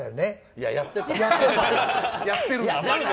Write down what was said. いや、やってたよ。